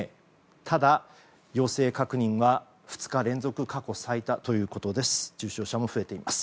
ただ、陽性確認は２日連続過去最多ということです。